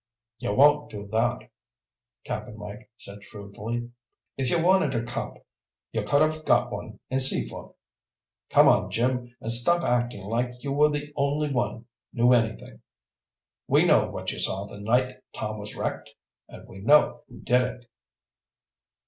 "You won't do that," Cap'n Mike said shrewdly. "If you'd wanted a cop, you could have got one in Seaford. Come on, Jim, and stop acting like you were the only one knew anything. We know what you saw the night Tom was wrecked. And we know who did it."